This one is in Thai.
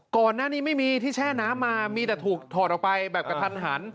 ก่อนหน้านี้ไม่มีที่แช่น้ำมามีแต่ถูกถอดออกไปแบบกระทันหัน